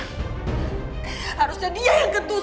harusnya dia yang ketusuk bukan mama yang seperti ini mas